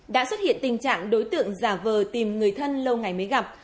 đã xuất hiện tình trạng đối tượng giả vờ tìm người thân lâu ngày mới gặp